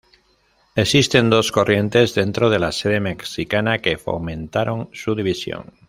Existen dos corrientes dentro de la Sede Mexicana que fomentaron su división.